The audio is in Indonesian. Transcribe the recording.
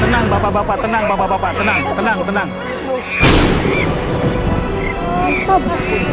tenang bapak tenang bapak tenang tenang tenang